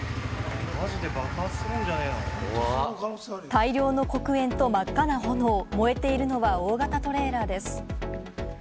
大量の黒煙と真っ赤な炎、燃えているのは大型トレーラーです。